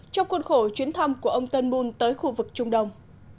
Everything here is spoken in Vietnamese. trong cuốn khổ chuyến thăm của ông turnbull tới khu vực trung đông